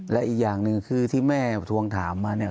และอีกอย่างหนึ่งคือที่แม่ทวงถามมาเนี่ย